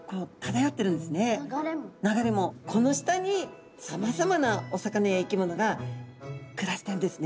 この下にさまざまなお魚や生き物が暮らしてるんですね。